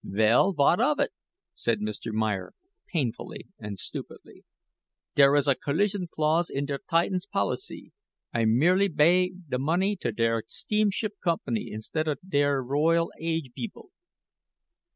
"Vell, vwhat of it," said Mr. Meyer, painfully and stupidly: "dere is a collision clause in der Titan's policy; I merely bay the money to der steamship company instead of to der Royal Age beeple."